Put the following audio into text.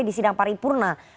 di sidang paripurna